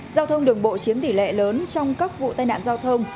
giao thông đường bộ chiếm tỷ lệ lớn trong các vụ tai nạn giao thông